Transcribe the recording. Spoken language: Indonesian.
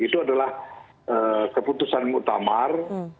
itu adalah keputusan mutamar